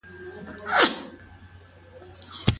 د تفريق لپاره کوم شرطونه بايد بشپړ سي؟